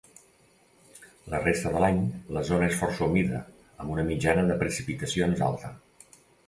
La resta de l'any, la zona és força humida, amb una mitjana de precipitacions alta.